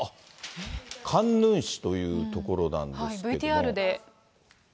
カンヌン市ということなんですが。